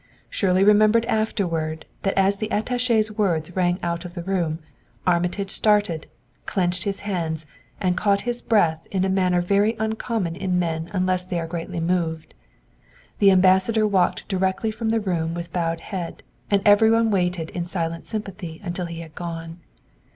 Shirley remembered afterward that as the attaché's words rang out in the room, Armitage started, clenched his hands, and caught his breath in a manner very uncommon in men unless they are greatly moved. The Ambassador walked directly from the room with bowed head, and every one waited in silent sympathy until he had gone.